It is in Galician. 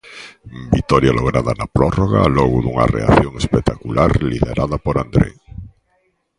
Vitoria lograda na prórroga, logo dunha reacción espectacular liderada por André.